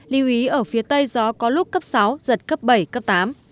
lưu ý ở phía tây gió có lúc cấp sáu giật cấp bảy cấp tám